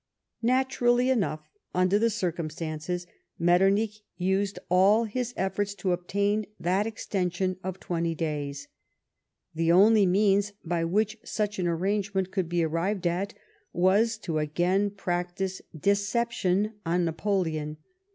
Naturally enough, under the circumstances, Metternich used all his efforts to obtain that extension of twenty days. The only means by which such an arrangement could be arrived at was to again practise deception on Napoleon.